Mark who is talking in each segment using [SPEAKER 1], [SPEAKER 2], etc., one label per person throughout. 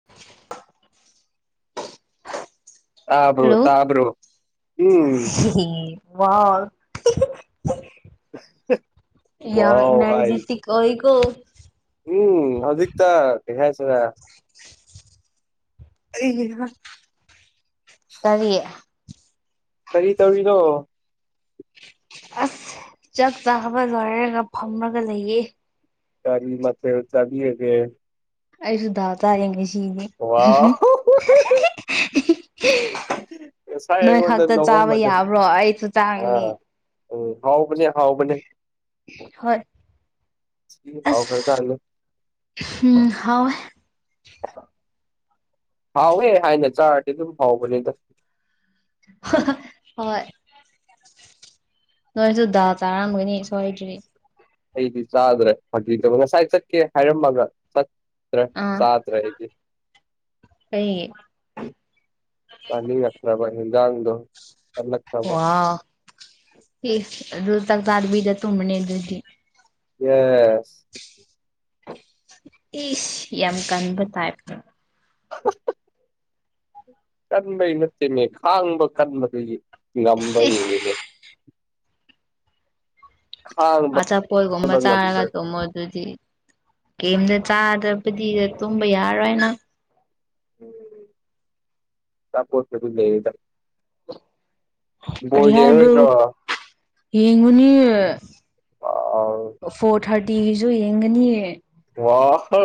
[SPEAKER 1] [inaudible]
[SPEAKER 2] ꯇꯥꯕ꯭ꯔꯣ
[SPEAKER 1] ꯍꯜꯂꯣ
[SPEAKER 2] ꯇꯥꯕ꯭ꯔꯣ ꯎꯝ
[SPEAKER 1] [unintelligible] ꯋꯥꯎ ꯌꯥꯝ
[SPEAKER 2] ꯋꯥꯎ ꯍꯥꯏ
[SPEAKER 1] ꯏꯅꯔꯖꯤꯇꯤꯛ ꯀꯧꯏꯀꯣ
[SPEAKER 2] ꯎꯝ ꯍꯧꯖꯤꯛꯇ ꯀꯩ ꯍꯥꯏꯁꯤꯔ ꯑꯩꯒꯤ ꯉꯔꯥꯡ
[SPEAKER 1] ꯇꯥꯔꯤ
[SPEAKER 2] ꯀꯔꯤ ꯇꯧꯔꯤꯅꯣ
[SPEAKER 1] ꯑꯁ ꯆꯥꯛ ꯆꯥꯕ ꯂꯣꯏꯔꯒ ꯐꯝꯔꯒ ꯂꯩꯌꯦ
[SPEAKER 2] ꯀꯔꯤ ꯃꯊꯦꯜ ꯆꯥꯕꯤꯔꯒꯦ
[SPEAKER 1] ꯑꯩꯁꯨ ꯗꯥꯜ ꯇꯔꯥ ꯌꯩꯡꯉꯦ ꯁꯤꯅꯤ
[SPEAKER 2] ꯋꯥꯎ ꯉꯁꯥꯏ
[SPEAKER 1] ꯅꯣꯏ
[SPEAKER 2] ꯑꯩꯉꯣꯟꯗ
[SPEAKER 1] ꯈꯛꯇ ꯆꯥꯕ
[SPEAKER 2] ꯅꯣꯛꯑꯝꯕꯗꯨ
[SPEAKER 1] ꯌꯥꯕ꯭ꯔꯣ ꯑꯩꯁꯨ ꯆꯥꯒꯅꯤ
[SPEAKER 2] ꯑꯥ ꯎꯝ ꯍꯥꯎꯕꯅꯦ ꯍꯥꯎꯕꯅꯦ
[SPEAKER 1] ꯍꯣꯏ
[SPEAKER 2] ꯊꯤ ꯍꯥꯎꯈ꯭ꯔ ꯖꯥꯠꯅꯦ
[SPEAKER 1] ꯍꯨꯝ ꯍꯥꯎꯌꯦ
[SPEAKER 2] ꯍꯥꯎꯋꯦ ꯍꯥꯏꯅ ꯆꯥꯔꯗꯤ ꯑꯗꯨꯝ ꯍꯥꯎꯕꯅꯤꯗ
[SPEAKER 1] ꯍꯣꯏ ꯅꯣꯏꯁꯨ ꯗꯥꯜ ꯆꯥꯔꯝꯒꯅꯤ ꯁꯣꯏꯗ꯭ꯔꯤ
[SPEAKER 2] ꯑꯩꯗꯤ ꯆꯥꯗꯔꯦ ꯐꯥꯒꯤ ꯇꯧꯕ‌ꯉꯁꯥꯏ ꯆꯠꯀꯦ ꯍꯥꯏꯔꯝꯃꯒ ꯆꯠ ꯈꯔ
[SPEAKER 1] ꯑꯥ
[SPEAKER 2] ꯆꯥꯗ꯭ꯔꯦ ꯑꯩꯗꯤ
[SPEAKER 1] ꯑꯩ
[SPEAKER 2] ꯆꯥꯅꯤꯡꯉꯛꯇ꯭ꯔꯕ ꯍꯦꯟꯖꯥꯡꯗꯣ ꯇꯜꯂꯛꯈ꯭ꯔꯕ
[SPEAKER 1] ꯋꯥꯎ ꯏꯁ ꯑꯗꯨ ꯆꯥꯛ ꯆꯥꯗꯕꯤꯗ ꯇꯨꯝꯔꯅꯤ ꯑꯗꯨꯗꯤ
[SPEAKER 2] ꯌꯦꯁ
[SPEAKER 1] ꯏꯁ ꯌꯥꯝ ꯀꯟꯕ ꯇꯥꯏꯞꯇ
[SPEAKER 2] [unintelligible] ꯀꯟꯕꯩ ꯅꯠꯇꯦꯅꯦ ꯈꯥꯡꯕ ꯀꯟꯕꯗꯨꯒꯤ ꯉꯝꯕꯔ
[SPEAKER 1] ꯁꯤꯁ
[SPEAKER 2] ꯌꯦꯡꯉꯤꯅꯦ ꯈꯥꯡꯕ
[SPEAKER 1] ꯑꯆꯥꯄꯣꯠꯒꯨꯝꯕ
[SPEAKER 2] ꯀꯟꯕ ꯉꯝꯕ
[SPEAKER 1] ꯆꯥꯔꯒ ꯇꯨꯝꯃꯣ ꯑꯗꯨꯗꯤ ꯀꯦꯝꯗ ꯆꯥꯗꯕꯗꯤꯗ ꯇꯨꯝꯕ ꯌꯥꯔꯣꯏ ꯅꯪ
[SPEAKER 2] ꯎꯝ ꯑꯆꯥꯄꯣꯠꯄꯨꯗꯤ ꯂꯩꯌꯦꯗ ꯕꯣꯜ
[SPEAKER 1] ꯀꯔꯤ ꯍꯥꯏꯕ꯭ꯔꯣ
[SPEAKER 2] ꯌꯦꯡꯉꯔꯣꯏꯗ꯭ꯔꯣ
[SPEAKER 1] ꯌꯦꯡꯉꯨꯅꯤ ꯐꯣꯔ ꯊꯥꯔꯇꯤꯒꯤꯁꯨ ꯌꯦꯡꯒꯅꯤ
[SPEAKER 2] ꯋꯥ ꯍꯥ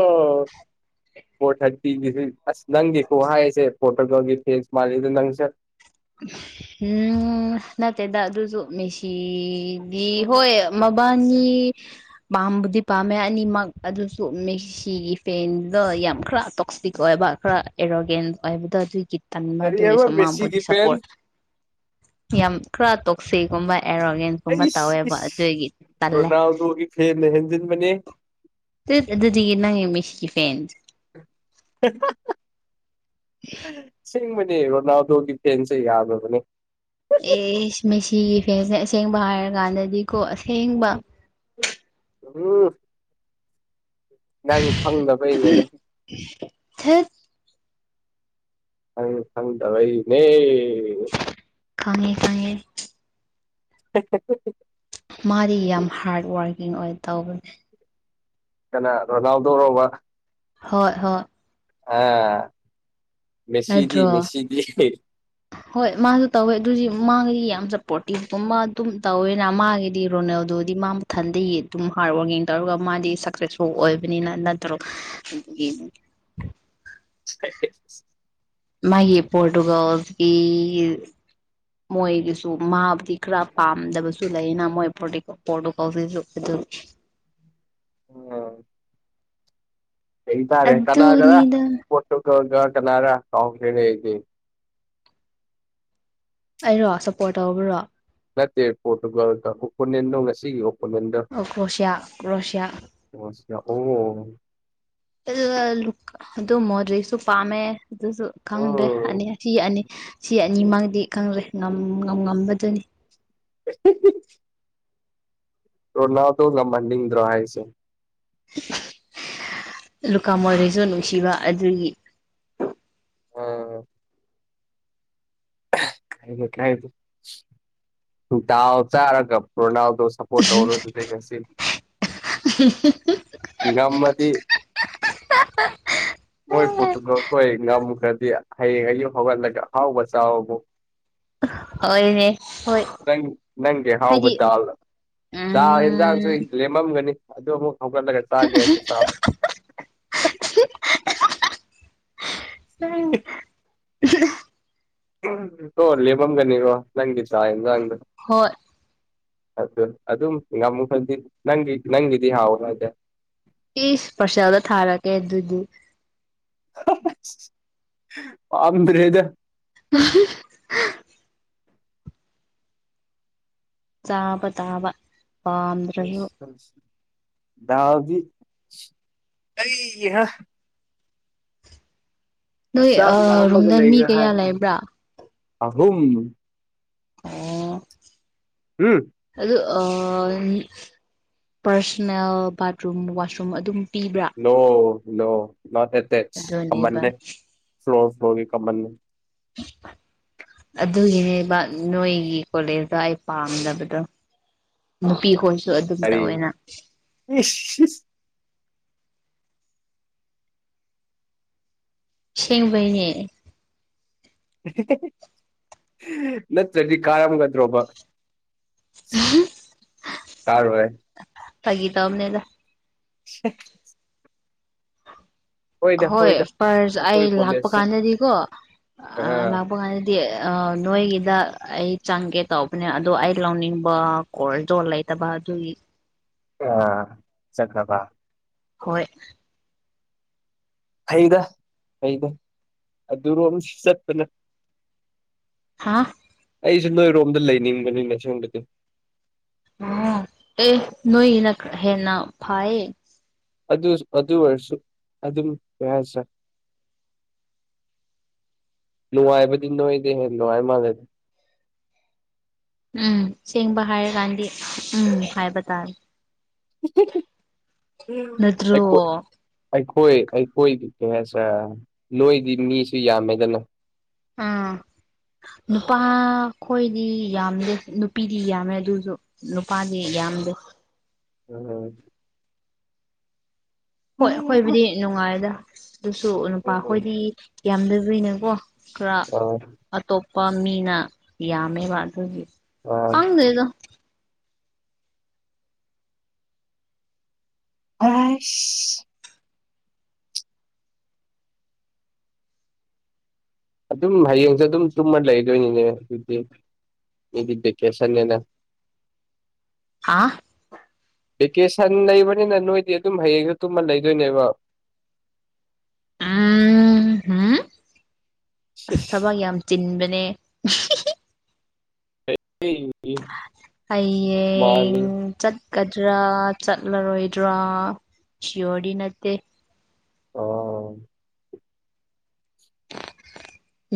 [SPEAKER 2] ꯐꯣꯔ ꯊꯥꯔꯇꯤꯒꯤꯁꯤ ꯑꯁ ꯅꯪꯒꯤ ꯈꯨꯍꯥꯏꯁꯦ ꯄꯣꯔꯇꯨꯒꯜꯒꯤ ꯐꯦꯟꯁ ꯃꯥꯜꯂꯤꯗ ꯅꯪꯁꯦ
[SPEAKER 1] [unintelligible] ꯎꯝ ꯅꯠꯇꯦꯗ ꯑꯗꯨꯖꯨ ꯃꯦꯁꯤꯗꯤ ꯍꯣꯏ ꯃꯕꯥꯅꯤ ꯄꯥꯝꯕꯗꯤ ꯄꯥꯝꯃꯦ ꯑꯅꯤꯃꯛ ꯑꯗꯨꯁꯨ ꯃꯦꯁ ꯁꯤꯒꯤ ꯐꯦꯟꯗꯣ ꯌꯥꯝ ꯈꯔ ꯇꯣꯛꯁꯤꯛ ꯑꯣꯏꯕ ꯈꯔ ꯑꯦꯔꯣꯒꯦꯟ ꯑꯣꯏꯕꯗꯣ ꯑꯗꯨꯒꯤ ꯇꯟꯕ
[SPEAKER 2] ꯀꯔꯤ
[SPEAKER 1] ꯑꯗꯨꯒꯤ
[SPEAKER 2] ꯍꯥꯏꯕ
[SPEAKER 1] ꯁ ꯃꯥꯕꯨꯗꯤ
[SPEAKER 2] ꯃꯦꯁꯤꯒꯤ
[SPEAKER 1] ꯁꯞ
[SPEAKER 2] ꯐꯦꯟ
[SPEAKER 1] ꯌꯥꯝ ꯈ꯭ꯔ ꯇꯣꯛꯁꯤꯒꯨꯝꯕ ꯑꯦꯔꯣꯒꯦꯟ
[SPEAKER 2] ꯑꯩꯁ ꯏꯁ ꯔꯣꯅꯥꯜꯗꯣꯒꯤ ꯐꯦꯟꯅ ꯍꯦꯟꯖꯤꯟꯕꯅꯦ
[SPEAKER 1] ꯇꯤꯁ ꯑꯗꯨꯗꯤꯒꯤ ꯅꯪ ꯃꯦꯁꯁꯤ ꯐꯦꯟ
[SPEAKER 2] ꯑꯁꯦꯡꯕꯅꯦ ꯔꯣꯅꯥꯜꯗꯣꯒꯤ ꯐꯦꯟꯁꯦ ꯌꯥꯗꯔ꯭ ꯕꯅꯤ
[SPEAKER 1] ꯑꯦꯁ ꯃꯦꯁꯤꯒꯤ ꯐꯦꯟꯁꯦ ꯑꯁꯦꯡꯕ ꯍꯥꯏꯔꯀꯥꯟꯗꯗꯤꯀꯣ ꯑꯁꯦꯡꯕ
[SPEAKER 2] [unintelligible] ꯅꯪ ꯈꯪꯗꯕꯩꯩꯅꯦꯗ
[SPEAKER 1] [unintelligible]
[SPEAKER 2] ꯅꯪ ꯈꯪꯗꯕꯩ ꯅꯦ
[SPEAKER 1] ꯈꯪꯉꯦ ꯈꯪꯉꯦ
[SPEAKER 2] [unintelligible]
[SPEAKER 1] ꯃꯥꯗꯤ ꯌꯥꯝ ꯍꯥꯔ꯭ꯗ ꯋꯥꯔꯀꯤꯡ ꯑꯣꯏ ꯇꯧꯕꯅꯦ
[SPEAKER 2] ꯀꯅꯥ ꯔꯣꯅꯥꯜꯗꯣꯔꯣꯋꯥ
[SPEAKER 1] ꯍꯣꯏ ꯍꯣꯏ
[SPEAKER 2] ꯑꯥ ꯃꯦꯁꯤꯗꯤ
[SPEAKER 1] ꯅꯠꯇ꯭ꯔꯣ
[SPEAKER 2] ꯃꯦꯁꯤꯗꯤ
[SPEAKER 1] ꯍꯣꯏ ꯃꯥꯁꯨ ꯇꯧꯋꯦ ꯑꯗꯨꯗꯤ ꯃꯥꯒꯤꯗꯤ ꯌꯥꯝ ꯆꯄ꯭ꯔꯣꯔꯇꯤꯞꯀꯨꯝ ꯃꯥ ꯑꯗꯨꯝ ꯇꯧꯋꯦꯅ ꯃꯥꯒꯤꯗꯤ ꯔꯣꯅꯦꯜꯗꯣ ꯃꯥ ꯃꯊꯟꯇ ꯑꯗꯨꯝ ꯍꯥꯔꯗ ꯋꯥꯔꯀꯤꯡ ꯇꯧꯔꯒ ꯃꯥꯗꯤ ꯁꯛꯁꯦꯁꯁꯨ ꯑꯣꯏꯕꯅꯤꯅ ꯅꯠꯇ꯭ꯔꯣ [unintelligible] [unintelligible]
[SPEAKER 2] [unintelligible]
[SPEAKER 1] ꯃꯥꯒꯤ ꯄꯣꯔꯇꯨꯒꯜꯁꯀꯤ ꯃꯣꯏꯒꯤꯁꯨ ꯃꯥꯕꯨꯗꯤ ꯈꯔ ꯄꯥꯝꯗꯕꯁꯨ ꯂꯩꯌꯦꯅ ꯃꯣꯏ ꯄꯣꯔꯇꯦꯛ ꯄꯣꯔꯇꯨꯀꯜꯁꯤꯁꯨ ꯑꯗꯨ
[SPEAKER 2] ꯑꯣ ꯀꯩꯇꯥꯔꯦ ꯀꯅꯥꯒꯔ
[SPEAKER 1] ꯑꯗꯨꯅꯤꯗ
[SPEAKER 2] ꯄꯣꯔꯇꯨꯒꯜꯒꯥ ꯀꯅꯥꯔꯥ ꯀꯥꯎꯈ꯭ꯔꯦꯅꯦ ꯑꯩꯗꯤ
[SPEAKER 1] ꯑꯩꯔꯣ ꯁꯞꯄꯣꯔꯠ ꯇꯧꯕꯔꯣ
[SPEAKER 2] ꯅꯠꯇꯦ ꯄꯣꯔꯇꯨꯒꯜꯒ ꯑꯣꯄꯣꯅꯦꯟꯠꯗꯣ ꯉꯁꯤꯒꯤ ꯑꯣꯄꯣ
[SPEAKER 1] ꯑꯣ ꯀ꯭ꯔꯣꯁꯤꯌꯥ ꯀ꯭ꯔꯣꯁꯤꯌꯥ
[SPEAKER 2] ꯀ꯭ꯔꯣꯁꯤꯌꯥ ꯑꯣ
[SPEAKER 1] ꯨ ꯑꯗꯨꯒ ꯂꯨꯛ ꯑꯗꯨ ꯃꯣꯗ꯭ꯔꯤꯁꯨ ꯄꯥꯝꯃꯦ ꯑꯗꯨꯁꯨ ꯈꯪꯗ꯭ꯔꯦ
[SPEAKER 2] ꯎꯝ
[SPEAKER 1] ꯑꯅꯤ ꯁꯤ ꯑꯅꯤ ꯁꯤ ꯑꯅꯤꯃꯪꯗꯤ ꯈꯪꯂꯦ ꯉꯝ ꯉꯝ ꯉꯝꯕꯗꯨꯅꯤ
[SPEAKER 2] ꯔꯣꯅꯥꯜꯗꯣ ꯉꯝꯍꯟꯅꯤꯡꯗ꯭ꯔꯣ ꯍꯥꯏꯁꯦ
[SPEAKER 1] ꯂꯨꯀꯥꯃꯣꯔꯦꯁꯨ ꯅꯨꯡꯁꯤꯕ ꯑꯗꯨꯒꯤ
[SPEAKER 2] ꯑꯣ [unintelligible] ꯗꯥꯜ ꯆꯥꯔꯒ ꯔꯣꯅꯥꯜꯗꯣ ꯁꯄꯣꯔꯠ ꯇꯧꯔꯣ ꯑꯗꯨꯗꯤ ꯉꯁꯤ
[SPEAKER 1] [unintelligible]
[SPEAKER 2] ꯉꯝꯃꯗꯤ ꯃꯣꯏ ꯄ꯭ꯔꯣꯇꯨꯒꯜꯍꯣꯏ ꯉꯝꯈ꯭ꯔꯗꯤ ꯍꯌꯦꯡ ꯑꯌꯨꯛ ꯍꯧꯒꯠꯂꯒ ꯑꯍꯥꯎꯕ ꯆꯥꯎꯑꯣꯕꯨ
[SPEAKER 1] ꯍꯣꯏꯅꯦ ꯍꯣꯏ ꯍꯥꯏꯗꯤ
[SPEAKER 2] ꯆꯥ ꯌꯦꯟꯖꯥꯡꯁꯨ
[SPEAKER 1] ꯎꯝ
[SPEAKER 2] ꯂꯦꯝꯃꯝꯒꯅꯤ ꯑꯗꯨ ꯑꯃꯨꯛ ꯍꯧꯒꯠꯂꯒ ꯆꯥꯒꯦꯁꯨ ꯆꯥꯎ [unintelligible] ꯀꯣ ꯂꯦꯝꯃꯝꯒꯅꯤꯀꯣ ꯅꯪꯒꯤ ꯆꯥꯛ ꯌꯦꯟꯖꯥꯡꯗ
[SPEAKER 1] ꯍꯣꯏ
[SPEAKER 2] ꯑꯗꯨ ꯑꯗꯨꯝ ꯉꯝꯈ꯭ꯔꯗꯤ ꯅꯪꯒꯤ ꯅꯪꯒꯤꯗꯤ ꯍꯥꯎꯔꯣꯏꯗ
[SPEAKER 1] ꯏꯁ ꯄꯔꯁꯦꯜꯗ ꯊꯥꯔꯒꯦ ꯑꯗꯨꯗꯤ
[SPEAKER 2] ꯄꯥꯝꯗ꯭ꯔꯦꯗ
[SPEAKER 1] [unintelligible] ꯆꯥꯕ ꯇꯥꯕ ꯄꯥꯝꯗ꯭ꯔꯁꯨ
[SPEAKER 2] ꯗꯥꯎꯗꯤ ꯑꯩꯍꯥ
[SPEAKER 1] ꯅꯣꯏ ꯑ
[SPEAKER 2] ꯆꯥꯛ ꯂꯝꯃꯒ
[SPEAKER 1] ꯔꯨꯝꯗ ꯃꯤ
[SPEAKER 2] ꯂꯩꯔꯦ
[SPEAKER 1] ꯀꯌꯥ
[SPEAKER 2] ꯍꯥꯏꯗꯤ
[SPEAKER 1] ꯂꯩꯕ꯭ꯔꯥ
[SPEAKER 2] ꯑꯍꯨꯝ
[SPEAKER 1] ꯑꯣ
[SPEAKER 2] ꯍꯨꯝ
[SPEAKER 1] ꯑꯗꯨ ꯑꯥ ꯄꯔꯁꯅꯦꯜ ꯕꯥꯠꯔꯨꯝ ꯋꯥꯁꯔꯨꯝ ꯑꯗꯨꯝ ꯄꯤꯕ꯭ꯔꯥ
[SPEAKER 2] ꯅꯣ ꯅꯣ ꯅꯣꯠ ꯑꯦꯇꯦꯠꯁ
[SPEAKER 1] ꯑꯗꯨꯅꯦꯕ
[SPEAKER 2] ꯀꯃꯟꯅꯦ ꯐ꯭ꯂꯣꯔ ꯐ꯭ꯂꯣꯔꯒꯤ ꯀꯃꯟꯅꯦ
[SPEAKER 1] ꯑꯗꯨꯒꯤꯅꯦꯕ ꯅꯣꯏꯒꯤ ꯀꯣꯂꯦꯖꯇꯣ ꯑꯩ ꯄꯥꯝꯗꯕꯗꯣ ꯅꯨꯄꯤꯈꯣꯏꯁꯨ ꯑꯗꯨꯝ
[SPEAKER 2] ꯀꯔꯤ
[SPEAKER 1] ꯇꯧꯋꯦꯅ
[SPEAKER 2] ꯏꯁ ꯁꯤꯁ
[SPEAKER 1] ꯁꯦꯡꯕꯩꯅꯦ
[SPEAKER 2] ꯅꯠꯇ꯭ꯔꯗꯤ ꯀꯥꯔꯝꯒꯗ꯭ꯔꯣꯕ ꯇꯥꯔꯣ ꯍꯦ
[SPEAKER 1] ꯐꯥꯒꯤ ꯇꯧꯕꯅꯦꯗ
[SPEAKER 2] [unintelligible] ꯍꯣꯏꯗ
[SPEAKER 1] ꯍꯣꯏ
[SPEAKER 2] ꯍꯣꯏꯗ
[SPEAKER 1] ꯐꯥꯔꯁ ꯑꯩ
[SPEAKER 2] ꯑꯩꯈꯣꯏ
[SPEAKER 1] ꯂꯥꯛꯄ
[SPEAKER 2] ꯀꯣꯂꯦꯖꯁꯦ
[SPEAKER 1] ꯀꯥꯟꯗꯗꯤꯀꯣ ꯑꯥ ꯂꯥꯛꯄ ꯀꯥꯟꯗ ꯇꯤ ꯑꯥ ꯅꯣꯏꯒꯤꯗ ꯑꯩ ꯆꯪꯒꯦ ꯇꯧꯕꯅꯦ ꯑꯗꯣ ꯑꯩ ꯂꯧꯅꯤꯡꯕ [unintelligible] ꯂꯩꯇꯕ ꯑꯗꯨꯒꯤ
[SPEAKER 2] ꯑ ꯆꯈ꯭ꯔꯕ
[SPEAKER 1] ꯍꯣꯏ
[SPEAKER 2] ꯐꯩꯗ ꯐꯩꯗ ꯑꯗꯨꯔꯣꯝ ꯆꯠꯄꯅ
[SPEAKER 1] ꯍꯥꯥ
[SPEAKER 2] ꯑꯩꯖꯨ ꯅꯣꯏꯔꯣꯝꯗ ꯂꯩꯅꯤꯡꯕꯅꯤꯅꯦ ꯁꯣꯝꯗꯗꯨ
[SPEAKER 1] ꯑ ꯑꯦ ꯅꯣꯏꯅ ꯈꯔ ꯍꯦꯟꯅ ꯐꯥꯌꯦ
[SPEAKER 2] ꯑꯗꯨꯁ ꯑꯗꯨ ꯑꯣꯏꯔꯁꯨ ꯑꯗꯨꯝ ꯀꯔꯤ ꯍꯥꯏꯁꯤꯔꯥ ꯅꯨꯉꯥꯏꯕꯗꯤ ꯅꯣꯏꯗꯩ ꯍꯦꯟ ꯅꯨꯉꯥꯏ ꯃꯥꯥꯜꯂꯦꯗ
[SPEAKER 1] ꯎꯝ ꯁꯦꯡꯕ ꯍꯥꯏꯔꯀꯥꯟꯗꯤ ꯎꯝ ꯍꯥꯏꯕ ꯇꯥꯔꯦ
[SPEAKER 2] ꯑꯩꯈꯣꯏ
[SPEAKER 1] ꯅꯠꯇ꯭ꯔꯣ
[SPEAKER 2] ꯑꯩꯈꯣꯏ ꯑꯩꯈꯣꯏꯒꯤ ꯀꯩ ꯍꯥꯏꯁꯤꯔꯥ ꯅꯣꯏꯗꯤ ꯃꯤꯁꯨ ꯌꯥꯝꯃꯦꯗꯅ
[SPEAKER 1] ꯑꯥ ꯅꯨꯄꯥ ꯈꯣꯏꯗꯤ ꯌꯥꯝꯗꯦ ꯅꯨꯄꯤꯗꯤ ꯌꯥꯝꯃꯦ ꯑꯗꯨꯖꯨ ꯅꯨꯄꯥꯗꯤ ꯌꯥꯝꯗꯦ
[SPEAKER 2] [unintelligible]
[SPEAKER 1] ꯍꯣꯏ ꯑꯈꯣꯏꯕꯨꯗꯤ ꯅꯨꯡꯉꯥꯏꯗ ꯑꯗꯨꯁꯨ ꯅꯨꯄꯥ ꯈꯣꯏꯗꯤ ꯌꯥꯝꯗꯕꯤꯅꯦꯀꯣ ꯈꯔ ꯑꯇꯣꯞꯄ ꯃꯤꯅ ꯌꯥꯝꯃꯦꯕ ꯑꯗꯨꯒꯤ ꯈꯪꯗꯦꯗ
[SPEAKER 2] ꯑꯥꯏꯁ ꯑꯗꯨꯝ ꯍꯌꯦꯡꯖꯨ ꯑꯗꯨꯝ ꯇꯨꯝꯃ ꯂꯩꯗꯣꯏꯅꯤꯅꯦ ꯗꯨꯗꯤ ꯃꯤꯗꯤ ꯕꯦꯀꯦꯁꯟꯅꯦꯅ
[SPEAKER 1] ꯍꯥꯥ
[SPEAKER 2] ꯚꯦꯀꯦꯁꯟ ꯂꯩꯕꯅꯤꯅ ꯅꯣꯏꯗꯤ ꯑꯗꯨꯝ ꯍꯌꯦꯡꯖꯨ ꯇꯨꯝꯃ ꯂꯩꯗꯣꯏꯅꯦꯕ
[SPEAKER 1] ꯎꯝ ꯍꯝ ꯑꯁ ꯊꯕꯛ ꯌꯥꯝ ꯆꯤꯟꯕꯅꯦ ꯍꯌꯦꯡ
[SPEAKER 2] ꯃꯥꯜꯂꯤ
[SPEAKER 1] ꯆꯠ ꯀꯗ꯭ꯔꯥ ꯆꯠꯂꯔꯣꯏꯗ꯭ꯔꯥ ꯁꯤꯌꯣꯔꯗꯤ ꯅꯠꯇꯦ
[SPEAKER 2] ꯑꯥ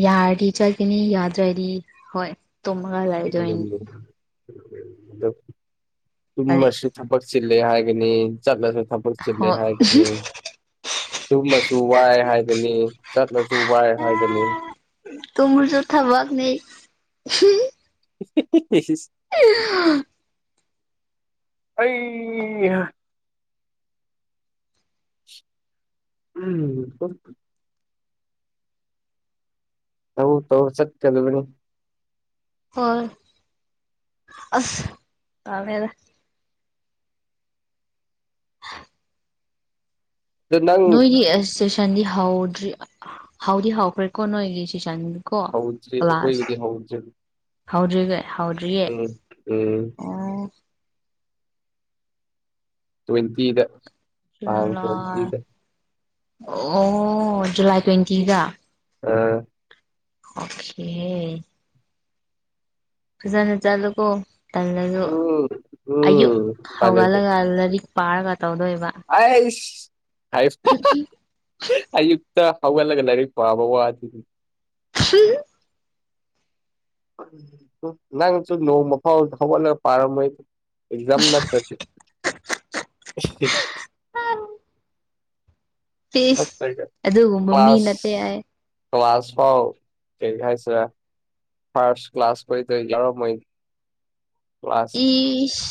[SPEAKER 1] ꯌꯥꯔꯗꯤ ꯆꯠꯀꯅꯤ ꯌꯥꯗꯔ꯭ꯗꯤ ꯍꯣꯏ ꯇꯨꯝꯃꯒ ꯂꯩ
[SPEAKER 2] [unintelligible]
[SPEAKER 1] ꯍꯥꯏꯗꯤ
[SPEAKER 2] ꯇꯨꯝꯃꯁꯨ ꯊꯕꯛ ꯆꯤꯜꯂꯦ ꯍꯥꯏꯒꯅꯤ ꯆꯠꯂꯁꯨ ꯊꯕꯛ ꯆꯤꯜꯂꯦ
[SPEAKER 1] ꯍꯣꯏ
[SPEAKER 2] ꯍꯥꯏꯒꯅꯤ ꯇꯨꯝꯃꯁꯨ ꯋꯥꯏ ꯍꯥꯏꯒꯅꯤ ꯆꯠꯂꯁꯨ ꯋꯥꯏ ꯍꯥꯏꯒꯅꯤ
[SPEAKER 1] ꯇꯨꯝꯔꯨꯁꯨ ꯊꯕꯛꯅꯤ
[SPEAKER 2] ꯏꯁ ꯏꯁ
[SPEAKER 1] [unintelligible]
[SPEAKER 2] ꯑꯩ ꯎꯝ ꯇꯧ ꯇꯧ ꯆꯠꯀꯗꯕꯅꯤ
[SPEAKER 1] ꯍꯣꯏ ꯑꯁ ꯀꯃꯦꯔ
[SPEAKER 2] ꯑꯗꯨ ꯅꯪ
[SPEAKER 1] ꯅꯣꯏꯒꯤ ꯑꯁ ꯆꯦꯁꯥꯟꯗꯤ ꯍꯥꯎꯗ꯭ꯔꯤ ꯍꯥꯎꯗꯤ ꯍꯥꯎꯈ꯭ꯔꯦꯀꯣ ꯅꯣꯏꯒꯤ ꯆꯦꯁꯥꯟꯗ ꯀꯣ
[SPEAKER 2] ꯍꯧꯗ꯭ꯔꯤ
[SPEAKER 1] ꯀ꯭ꯂꯥꯁ
[SPEAKER 2] ꯑꯩꯈꯣꯏꯒꯤꯗꯤ ꯍꯧꯗ꯭ꯔꯤ
[SPEAKER 1] ꯍꯧꯗ꯭ꯔꯤꯒꯩ ꯍꯗꯔ꯭ꯤꯒꯩ
[SPEAKER 2] ꯎꯝ ꯎꯝ ꯇ꯭ꯋꯦꯟꯇꯤ ꯏꯗ ꯇꯥꯡ ꯇ꯭ꯋꯦꯟꯇꯤ
[SPEAKER 1] ꯖꯨꯂꯥꯏ
[SPEAKER 2] ꯏꯗ
[SPEAKER 1] ꯑꯣ ꯖꯨꯂꯥꯏ ꯇ꯭ꯋꯦꯟꯇꯤꯗ
[SPEAKER 2] ꯑ
[SPEAKER 1] ꯑꯣꯈꯑꯦ ꯐꯖꯅ ꯆꯠꯂꯨꯀꯣ ꯇꯜꯂꯁꯨ
[SPEAKER 2] ꯎꯝ
[SPEAKER 1] ꯑꯌꯨꯛ
[SPEAKER 2] ꯎꯝ ꯐꯔꯦ
[SPEAKER 1] ꯍꯧꯒꯠꯂꯒꯂꯔꯤꯛ ꯄꯥꯔꯥꯒ ꯇꯧꯗꯣ ꯏꯕ
[SPEAKER 2] ꯑꯁ ꯍꯥꯏꯁ ꯑ [unintelligible] ꯍꯒꯂꯒꯔꯤ ꯄꯕꯗꯤ
[SPEAKER 1] [unintelligible]
[SPEAKER 2] ꯅꯪꯁꯨ ꯅꯣꯡꯃ ꯐꯥꯎ ꯍꯧꯒꯠꯂꯒ ꯄꯥꯔꯝꯃꯣꯏ ꯑꯦꯖꯝ ꯅꯛꯇꯔꯗꯤ꯫
[SPEAKER 1] ꯏꯁ
[SPEAKER 2] [unintelligible]
[SPEAKER 1] ꯑꯗꯨꯒꯨꯝꯕ ꯃꯤ ꯅꯠꯇꯦ
[SPEAKER 2] ꯀ꯭ꯂꯥꯁ
[SPEAKER 1] ꯑꯩ
[SPEAKER 2] ꯀ꯭ꯂꯥꯁ ꯐꯥꯎ ꯀꯩ ꯍꯥꯏꯁꯤ ꯐꯥꯔꯁ ꯀ꯭ꯂꯥꯁ ꯄꯔꯣꯖꯩꯇꯔ ꯌꯥꯑꯣꯔꯝꯃꯣꯏ
[SPEAKER 1] ꯏꯁ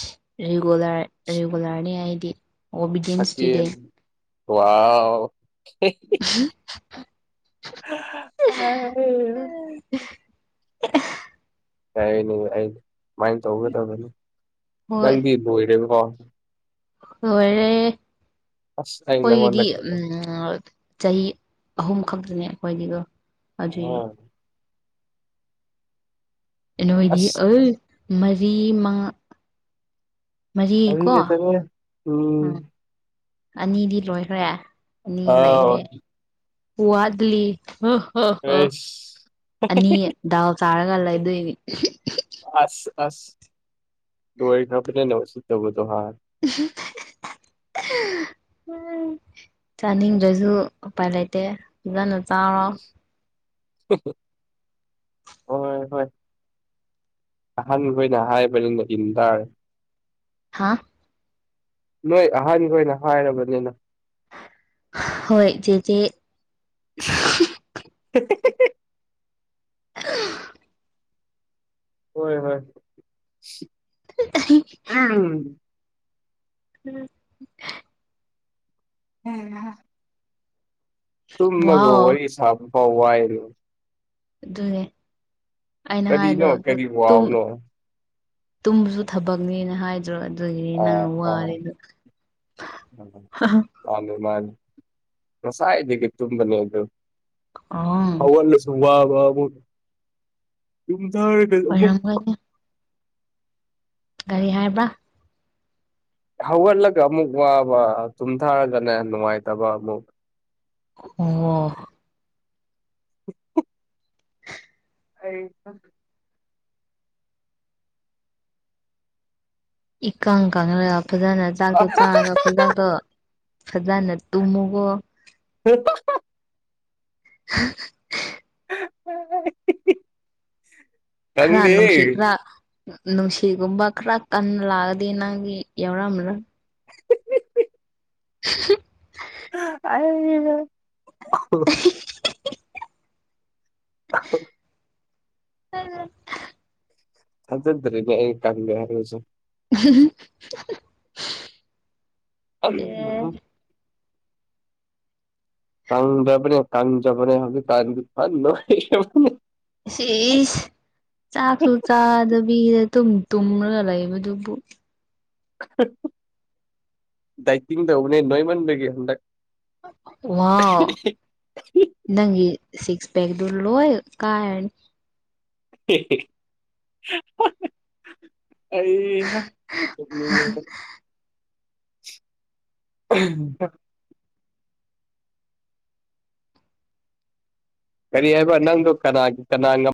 [SPEAKER 1] ꯔꯤꯒꯨꯂꯔ ꯔꯤꯒꯨꯂꯔꯅꯤ ꯑꯩꯗꯤ ꯑꯣꯕꯤꯗꯤꯌꯦꯟ
[SPEAKER 2] ꯁꯀꯤꯟ
[SPEAKER 1] ꯏꯁꯇꯨꯗꯦꯟ
[SPEAKER 2] ꯋꯥꯎ
[SPEAKER 1] ꯎꯝ
[SPEAKER 2] ꯑ [unintelligible]
[SPEAKER 1] [inaudible]
[SPEAKER 2] ꯀꯩꯅꯤ ꯑꯩ ꯁꯨꯃꯥꯏꯅ ꯇꯧꯒꯗꯕꯅꯤ ꯅꯪꯗꯤ ꯂꯣꯏꯔꯦꯕꯀꯣ
[SPEAKER 1] ꯍꯣꯏꯔꯦ
[SPEAKER 2] ꯑꯁ ꯑꯩ ꯅꯪꯉꯣꯟꯗ
[SPEAKER 1] ꯑꯩꯈꯣꯏꯒꯤꯗꯤ
[SPEAKER 2] ꯀꯩꯅꯣ
[SPEAKER 1] ꯎꯝ ꯆꯍꯤ ꯑꯍꯨꯝ ꯈꯛꯇꯅꯦ ꯑꯩꯈꯣꯏꯗꯤꯒꯣ ꯑꯗꯨꯏ ꯅꯣꯏꯗꯤ
[SPEAKER 2] ꯑꯁ
[SPEAKER 1] ꯑꯜ ꯃꯔꯤ ꯃꯉꯥ ꯃꯔꯤꯀꯣ
[SPEAKER 2] ꯑꯍꯤꯡꯗ ꯆꯪꯉꯦ
[SPEAKER 1] ꯎꯝ ꯑꯅꯤꯗꯤ ꯂꯣꯏꯈ꯭ꯔꯦ ꯑꯅꯤ
[SPEAKER 2] ꯑꯥꯎ
[SPEAKER 1] ꯂꯩꯔꯦ ꯄꯨꯋ ꯋꯥꯠꯂꯤ ꯍꯣ ꯍꯣ ꯍꯣ
[SPEAKER 2] ꯑꯩꯁ
[SPEAKER 1] ꯑꯅꯤ ꯗꯥꯎ ꯆꯥꯔꯒ ꯂꯩꯗꯣꯏꯅꯦ
[SPEAKER 2] ꯑꯁ ꯑꯁ ꯂꯣꯌꯗꯔꯥꯕꯦꯅꯁꯨ ꯇꯧꯒꯗꯥꯑꯣ ꯃꯥꯜꯂꯤ
[SPEAKER 1] [unintelligible] ꯎ ꯆꯥꯅꯤꯡꯗ꯭ꯔꯁꯨ ꯎꯄꯥꯏ ꯂꯩꯇꯦ ꯐꯖꯅ ꯆꯥꯎꯔꯣ
[SPEAKER 2] ꯍꯣꯏ ꯍꯣꯏ ꯑꯍꯥꯟꯕ ꯑꯣꯏꯅ ꯍꯥꯏꯕꯅꯤꯅ ꯏꯟꯗꯥꯔꯦ
[SPEAKER 1] ꯍꯥꯥ
[SPEAKER 2] ꯅꯣꯏ ꯑꯍꯥꯟꯒꫭꯏꯅ ꯍꯥꯏꯔꯕꯅꯤꯅ
[SPEAKER 1] ꯍꯣꯏ ꯆꯦꯆꯦ
[SPEAKER 2] [inaudible]
[SPEAKER 1] ꯎ
[SPEAKER 2] ꯍꯣꯏ ꯍꯣꯏ ꯎ
[SPEAKER 1] ꯎꯝ
[SPEAKER 2] [unintelligible] ꯇꯨꯝꯃꯒ
[SPEAKER 1] ꯋꯥꯎ
[SPEAKER 2] ꯋꯥꯔꯤ ꯁꯥꯕ ꯐꯥꯎ ꯋꯥꯏꯅꯦ
[SPEAKER 1] ꯑꯗꯨꯅꯦ ꯑꯩꯅ ꯍꯥꯏꯗꯣ
[SPEAKER 2] ꯀꯔꯤꯅꯣ
[SPEAKER 1] ꯑꯗꯨꯨ
[SPEAKER 2] ꯀꯔꯤ
[SPEAKER 1] ꯇꯨꯝ
[SPEAKER 2] ꯋꯥꯎꯅꯣ
[SPEAKER 1] ꯇꯨꯝꯕꯁꯨ ꯊꯕꯛꯅꯦꯅ ꯍꯥꯏ ꯗ꯭ꯔꯣ ꯑꯗꯨꯒꯤꯅꯤ
[SPEAKER 2] ꯑꯥ
[SPEAKER 1] ꯅꯪꯅ
[SPEAKER 2] ꯑꯥ
[SPEAKER 1] ꯋꯥꯔꯤꯗꯣ ꯍ ꯍ
[SPEAKER 2] ꯃꯥꯅꯦ ꯃꯥꯅꯦ ꯉꯁꯥꯏꯗꯒꯤ ꯇꯨꯝꯕꯅꯦ ꯑꯗꯨ
[SPEAKER 1] ꯑꯣ
[SPEAKER 2] ꯍꯧꯒꯠꯂꯁꯨ ꯋꯥꯕ ꯑꯃꯨꯛ [unintelligible]
[SPEAKER 1] ꯑꯣꯏꯔꯝꯒꯅꯤ ꯒꯥꯔꯤ ꯍꯥꯏꯕꯥ
[SPEAKER 2] ꯍꯧꯒꯠꯂꯒ ꯑꯃꯨꯛ ꯋꯥꯕ ꯇꯨꯝꯊꯥꯔꯒꯅ ꯅꯨꯡꯉꯥꯏꯇꯕ ꯑꯃꯨꯛ
[SPEAKER 1] ꯑꯣ
[SPEAKER 2] [unintelligible] ꯑꯩ ꯐꯝ
[SPEAKER 1] ꯏꯀꯪ ꯀꯪꯂꯒ ꯐꯖꯅ ꯆꯥꯛꯇꯣ ꯆꯥꯔꯒ [unintelligible] ꯐꯖꯅ ꯇꯨꯝꯃꯨꯀꯣ
[SPEAKER 2] [unintelligible]
[SPEAKER 1] [unintelligible]
[SPEAKER 2] [unintelligible]
[SPEAKER 1] ꯈꯔ
[SPEAKER 2] ꯈꯪꯗꯦ
[SPEAKER 1] ꯅꯨꯡꯁꯤ ꯈꯔ ꯅꯨꯡꯁꯤꯒꯨꯝꯕ ꯈꯔ ꯀꯟꯅ ꯂꯥꯛꯑꯗꯤ ꯅꯪꯒꯤ ꯌꯥꯎꯔꯝꯃꯔꯣꯏ [inaudible]
[SPEAKER 2] ꯑꯩꯒꯤ ꯂꯣꯏ [unintelligible] ꯑꯍ
[SPEAKER 1] [unintelligible]
[SPEAKER 2] ꯊꯥꯖꯗ꯭ꯔꯦꯅꯦ ꯑꯩꯅ ꯇꯜꯂꯦ ꯍꯥꯏꯔꯒ ꯁꯨꯝ
[SPEAKER 1] [unintelligible]
[SPEAKER 2] [unintelligible] ꯀꯪꯗ꯭ꯔꯕꯗꯣ ꯀꯪꯖꯕꯅꯦ ꯍꯧꯖꯤꯛꯀꯥꯟꯗꯤ ꯐꯟ ꯅꯣꯏꯔꯕꯅꯦ
[SPEAKER 1] ꯁꯤ ꯏꯁ ꯆꯥꯛꯁꯨ ꯆꯥꯗꯕꯤꯒꯤꯗ ꯇꯨꯝ ꯇꯨꯝꯔꯒ ꯂꯩꯕꯗꯨꯕꯨ
[SPEAKER 2] ꯗꯥꯏꯇꯤꯡ ꯇꯧꯕꯅꯦ ꯅꯣꯏꯃꯟꯕꯒꯤ ꯍꯟꯗꯛ
[SPEAKER 1] ꯋꯥꯎ ꯅꯪꯒꯤ ꯁꯤꯛꯁ ꯄꯦꯛꯗꯨ ꯂꯣꯏ ꯀꯥꯏꯔꯅꯤ
[SPEAKER 2] [unintelligible] ꯑꯩ ꯍꯥ [unintelligible] ꯑꯍꯝ ꯀꯔꯤ ꯍꯥꯏꯕ ꯅꯪꯗꯣ ꯀꯅꯥꯒꯤ ꯀꯅꯥ ꯉꯝ